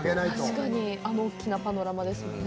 確かに、あの大きなパノラマですもんね。